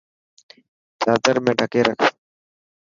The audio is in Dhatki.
چادر ۾ ڌڪي رک.